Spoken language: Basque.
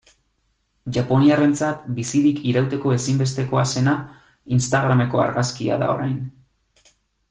Japoniarrentzat bizirik irauteko ezinbestekoa zena, instagrameko argazkia da orain.